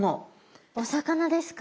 お魚ですか？